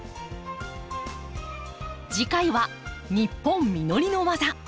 次回は「ニッポン実りのわざ」。